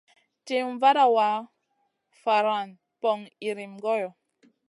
Ciwn vada wa, faran poŋ iyrim goyo.